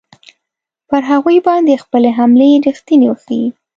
پر هغوی باندې خپلې حملې ریښتوني وښیي.